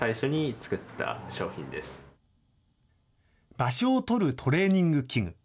場所をとるトレーニング器具。